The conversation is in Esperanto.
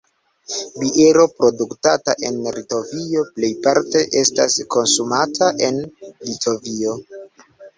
Biero produktata en Litovio plejparte estas konsumata en Litovio.